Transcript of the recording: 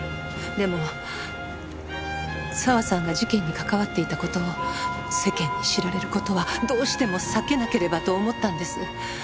でも佐和さんが事件に関わっていた事を世間に知られる事はどうしても避けなければと思ったんです。